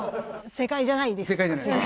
正解じゃないです。